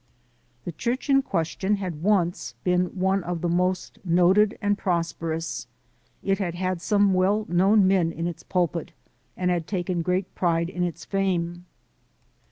The church in question had once been one of the STUMBLING BLOCKS 213 most noted and prosperous; it had had some well known men in its pulpit and had taken great pride in its fame.